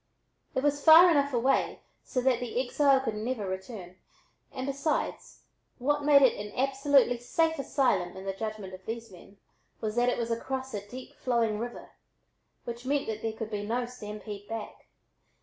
It was far enough away so that the exile could never return, and besides, what made it an absolutely safe asylum in the judgment of these men was that it was across a deep flowing river, which meant that there could be no "stampede" back.